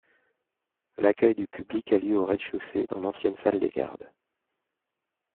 L'accueil du public a lieu au rez-de-chaussée, dans l'ancienne salle des gardes.